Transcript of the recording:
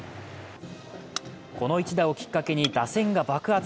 この一打をきっかけに打線が爆発。